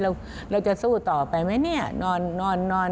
เราจะสู้ต่อไปไหมนอน